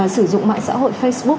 sử dụng mạng xã hội facebook